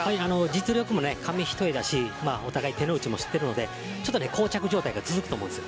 実力も紙一重だしお互い手の内も知っているので膠着状態が続くと思うんです。